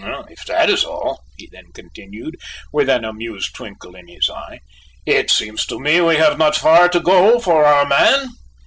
"If that is all," he then continued, with an amused twinkle in his eye, "it seems to me we have not far to go for our man!"